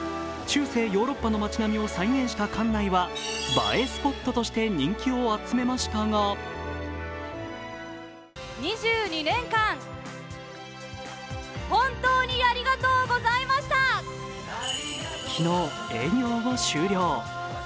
中世ヨーロッパの町並みを再現した館内は映えスポットとして人気を集めましたが昨日、営業を終了。